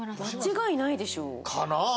間違いないでしょう。かな？